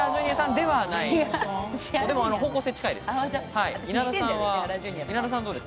でも方向性、近いです。